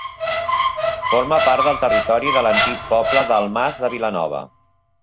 Forma part del territori de l'antic poble del Mas de Vilanova.